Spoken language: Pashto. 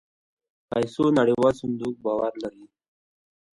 پيسو نړيوال صندوق باور لري.